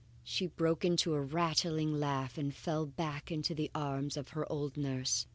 she broke into a rattling laugh, and fell back into the arms of her old nurse.